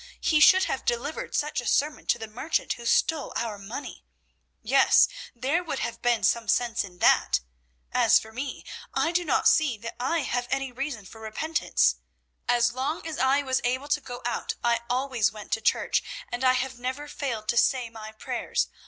He should have delivered such a sermon to the merchant who stole our money. Yes, there would have been some sense in that. As for me, I do not see that I have any reason for repentance. As long as I was able to go out I always went to church, and I have never failed to say my prayers.